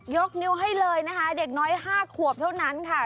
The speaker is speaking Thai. ยกนิ้วให้เลยนะคะเด็กน้อย๕ขวบเท่านั้นค่ะ